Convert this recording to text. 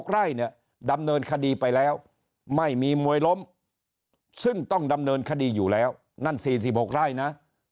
ไร่เนี่ยดำเนินคดีไปแล้วไม่มีมวยล้มซึ่งต้องดำเนินคดีอยู่แล้วนั่น๔๖ไร่นะ